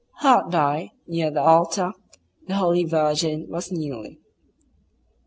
Hard by, near the altar, the holy Virgin was kneeling.